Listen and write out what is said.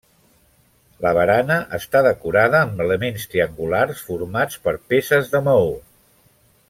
La barana està decorada amb elements triangulars formats per peces de maó.